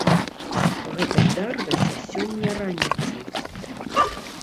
Гэта здарылася сёння раніцай.